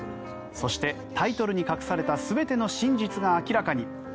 そして、タイトルに隠された全ての真実が明らかに。